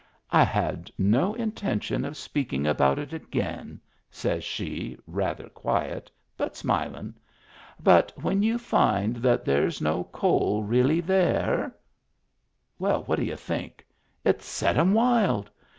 " I had no intention of speaking about it again," says she, rather quiet, but smilin/ " But when you find that there's no coal really there —" Well, what d'y'u think? It set 'em wild.